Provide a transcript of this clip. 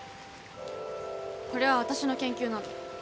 これは私の研究なの。